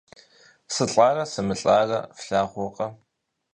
СылӀарэ сымылӀарэ флъагъуркъэ?